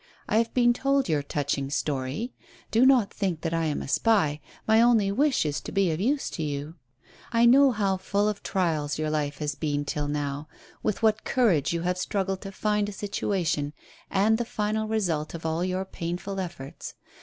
I have been told your touching story. Do not think that I am a spy; my only wish is to be of use to you. I know how full of trials your life has been till now, with what courage you have struggled to find a situation, and the final result of all your painful efforts.